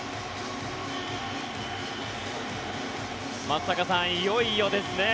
松坂さん、いよいよですね。